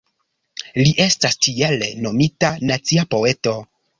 Li estas tiele nomita "nacia poeto".